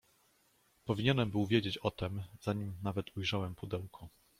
"Powinienem był wiedzieć o tem, zanim nawet ujrzałem pudełko."